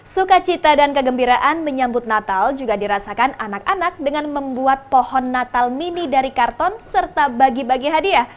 sukacita dan kegembiraan menyambut natal juga dirasakan anak anak dengan membuat pohon natal mini dari karton serta bagi bagi hadiah